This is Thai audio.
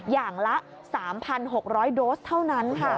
อย่างละ๓๖๐๐โดสเท่านั้นค่ะ